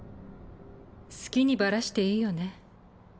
好きにバラしていいよね。